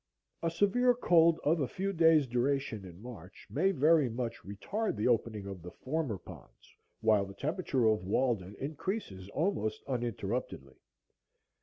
A severe cold of a few days' duration in March may very much retard the opening of the former ponds, while the temperature of Walden increases almost uninterruptedly.